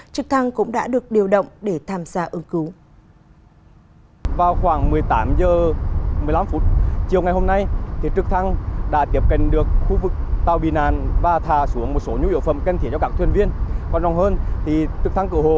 trực thăng cũng đã được điều động để tham gia ứng cứu